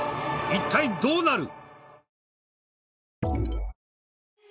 一体どうなる？